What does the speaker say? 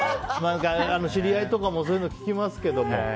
知り合いとかもそういうの聞きますけど。